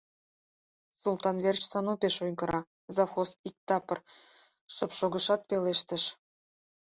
— Султан верч Сану пеш ойгыра, — завхоз иктапыр шып шогышат, пелештыш.